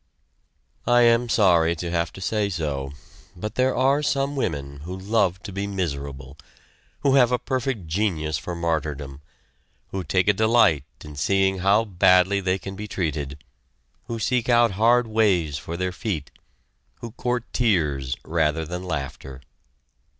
I am sorry to have to say so, but there are some women who love to be miserable, who have a perfect genius for martyrdom, who take a delight in seeing how badly they can be treated, who seek out hard ways for their feet, who court tears rather than laughter.